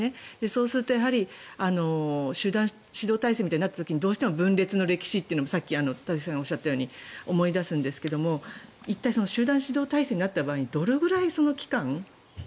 そうすると集団指導体制みたいになった時に分裂の歴史ってさっき田崎さんがおっしゃったように思い出すんですが一体、集団指導体制になった場合どれくらいの期間